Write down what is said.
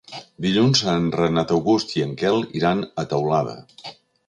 Dilluns en Renat August i en Quel iran a Teulada.